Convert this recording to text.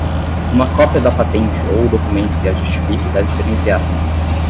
Uma cópia da patente ou documento que a justifique deve ser enviada.